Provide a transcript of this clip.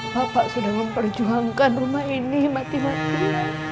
bapak sudah memperjuangkan rumah ini mati mati